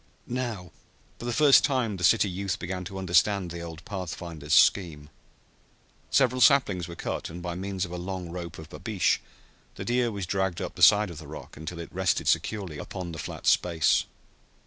Now for the first time the city youth began to understand the old pathfinder's scheme. Several saplings were cut, and by means of a long rope of babeesh the deer was dragged up the side of the rock until it rested securely upon the flat space.